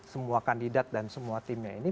semua kandidat dan semua timnya ini